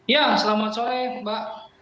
ya selamat sore mbak